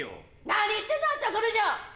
何言ってんだあんたそれじゃ。